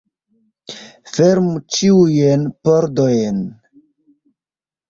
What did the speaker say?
Fermu ĉiujn pordojn!